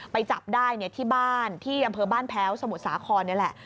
ไปจับได้ที่บ้านที่อำเภอบ้านแพ้วสมุทรสาครนี่แหละ